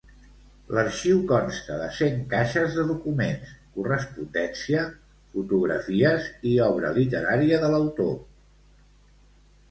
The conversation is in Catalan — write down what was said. L'arxiu consta de cent caixes de documents, correspondència, fotografies i obra literària de l'autor.